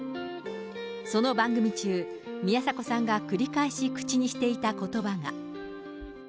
その番組中、宮迫さんが繰り返し口にしていたことばが。